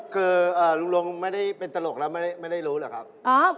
คือลุงลงไม่ได้เป็นตลกแล้วไม่ได้รู้หรอกครับ